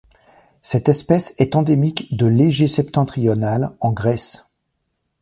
Cette espèce est endémique de l'Égée-Septentrionale en Grèce.